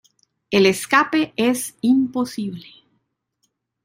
El escape es imposible.